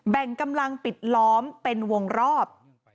แบ่งกำลังปิดล้อมเป็นวงรอบ